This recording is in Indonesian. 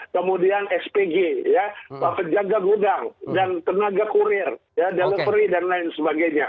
kemudian spg ya penjaga gudang dan tenaga kurir delivery dan lain sebagainya